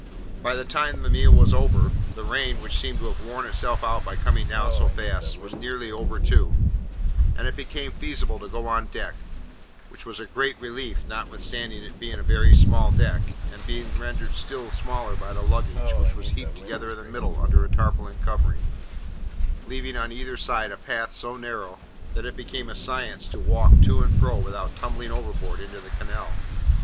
By the time the meal was over, the rain, which seemed to have worn itself out by coming down so fast, was nearly over too; and it became feasible to go on deck: which was a great relief, notwithstanding its being a very small deck, and being rendered still smaller by the luggage, which was heaped together in the middle under a tarpaulin covering; leaving, on either side, a path so narrow, that it became a science to walk to and fro without tumbling overboard into the canal.